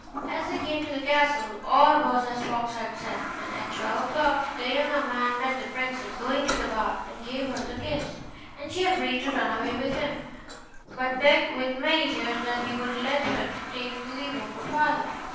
As they came to the castle, all was as the fox had said, and at twelve o'clock the young man met the princess going to the bath and gave her the kiss, and she agreed to run away with him, but begged with many tears that he would let her take leave of her father.